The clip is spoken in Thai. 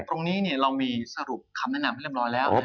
ตรงนี้เรามีสรุปคำแนะนำให้เรียบร้อยแล้ว